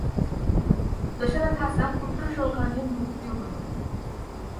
दशरथाचा पुत्रशोकाने मृत्यू होतो.